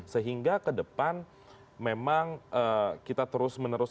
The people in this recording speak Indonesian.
sehingga kedepan memang kita terus menerus